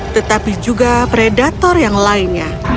tetapi juga predator yang lainnya